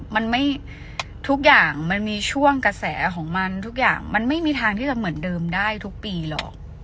มันไม่ทุกอย่างมันมีช่วงกระแสของมันทุกอย่างมันไม่มีทางที่จะเหมือนเดิมได้ทุกปีหรอก